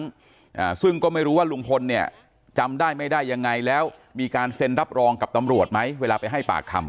อ่าซึ่งก็ไม่รู้ว่าลุงพลเนี่ยจำได้ไม่ได้ยังไงแล้วมีการเซ็นรับรองกับตำรวจไหมเวลาไปให้ปากคำ